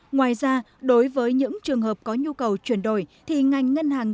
ngoài ra đối với những trường hợp có nhu cầu chuyển đổi thì ngành ngân hàng